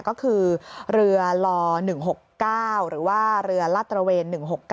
ก็คือเรือล๑๖๙หรือว่าเรือลาดตระเวน๑๖๙